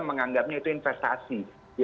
menganggapnya itu investasi